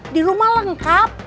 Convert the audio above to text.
di rumah lengkap